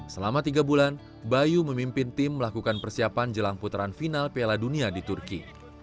selama tiga bulan bayu memimpin tim melakukan persiapan jelang putaran final piala dunia di turki